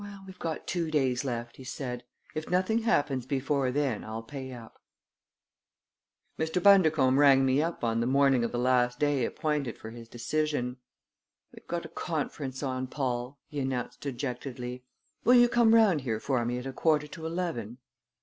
"Well, we've got two days left," he said. "If nothing happens before then I'll pay up." Mr. Bundercombe rang me up on the morning of the last day appointed for his decision. "We've got a conference on, Paul," he announced dejectedly. "Will you come round here for me at a quarter to eleven?"